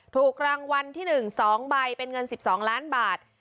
ถูกรางวัลที่๑๒ใบเป็นเงิน๑๒ล้านบาท